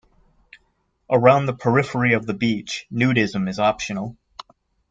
Around the periphery of the beach, nudism is optional.